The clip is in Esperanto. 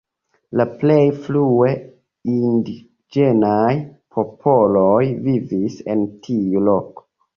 La plej frue indiĝenaj popoloj vivis en tiu loko.